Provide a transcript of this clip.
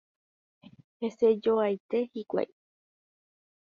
Hasẽjoaite hikuái.